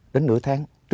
để tương tự